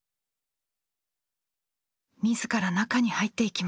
自ら中に入っていきます。